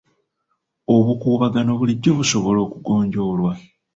Obukuubagano bulijjo busobola okugonjoolwa.